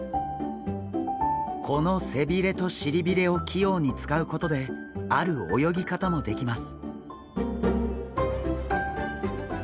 この背びれとしりびれを器用に使うことである泳ぎ方もできます。